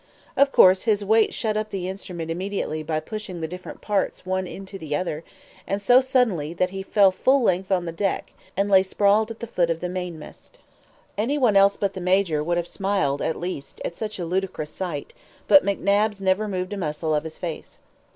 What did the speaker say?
Of course, his weight shut up the instrument immediately by pushing the different parts one into the other, and so suddenly, that he fell full length on deck, and lay sprawling at the foot of the mainmast. Any one else but the Major would have smiled, at least, at such a ludicrous sight; but McNabbs never moved a muscle of his face.